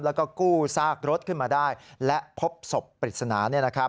แล้วก็กู้ซากรถขึ้นมาได้และพบศพปริศนา